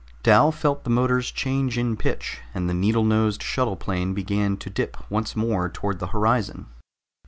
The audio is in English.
Dal felt the motors change in pitch, and the needle nosed shuttle plane began to dip once more toward the horizon.